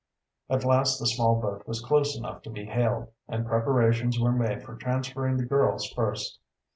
At last the small boat was close enough to be hailed, and preparations were made for transferring the girls first.